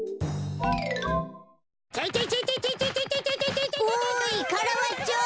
おいカラバッチョ！